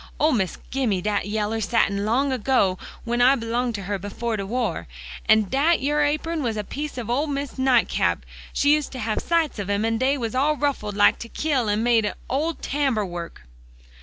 "Ole Miss gimme dat yeller satin long ago, w'en I belonged to her befo' de war. An' dat yere apun was a piece of ole Miss's night cap. She used to have sights of 'em, and dey was all ruffled like to kill, an' made o' tambour work."